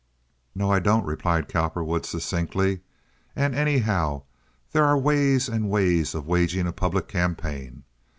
"No, I don't," replied Cowperwood, succinctly, "and, anyhow, there are ways and ways of waging a public campaign.